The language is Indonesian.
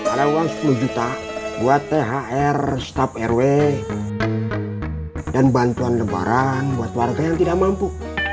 ada uang sepuluh juta buat thr staf rw dan bantuan lebaran buat warga yang tidak mampu